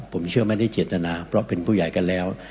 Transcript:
ผมเชื่อไม่ได้เจตนาเพราะเป็นผู้ใหญ่กันแล้ว